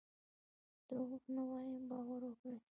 دروغ نه وایم باور وکړئ.